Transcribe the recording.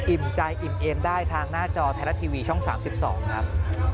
อิ่มใจอิ่มเอ็มได้ทางหน้าจอแทลละทีวีช่อง๓๒ครับ